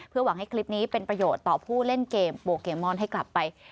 หวังให้คลิปนี้เป็นประโยชน์ต่อผู้เล่นเกมโปเกมอนให้กลับไป